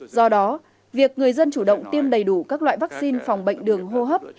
do đó việc người dân chủ động tiêm đầy đủ các loại vaccine phòng bệnh đường hô hấp